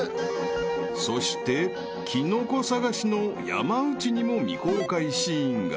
［そしてキノコ探しの山内にも未公開シーンが］